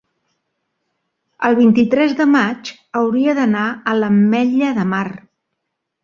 el vint-i-tres de maig hauria d'anar a l'Ametlla de Mar.